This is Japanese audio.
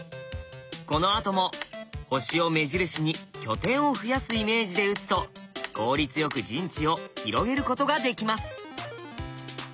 このあとも星を目印に拠点を増やすイメージで打つと効率よく陣地を広げることができます。